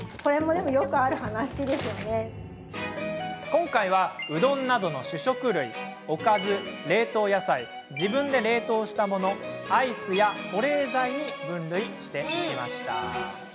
今回は、うどんなどの主食類おかず、冷凍野菜自分で冷凍したものアイスや保冷剤に分類しました。